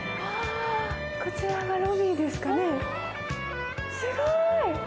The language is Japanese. こちらがロビーですかね、すごい。